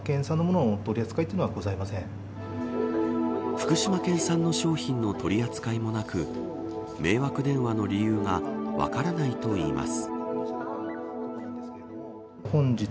福島県産の商品の取り扱いもなく迷惑電話の理由が分からないといいます。